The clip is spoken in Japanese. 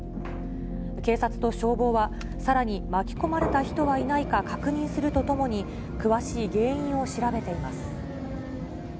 警察と消防は、さらに巻き込まれた人はいないか確認するとともに、詳しい原因を調べています。